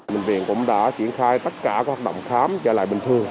bệnh viện cũng đã triển khai tất cả các hoạt động khám trở lại bình thường